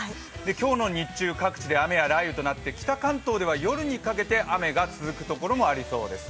今日の日中各地で雨や雷雨となって北関東では夜にかけて、雨が続くところもありそうです。